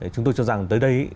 chúng tôi cho rằng tới đây ấy